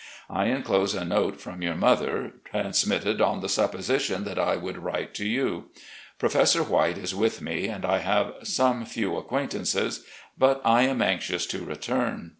I inclose a note from your mother, transmitted on the supposition that I would write to you. Profes sor White is with me and I have some few acquaintances, but I am anxious to return.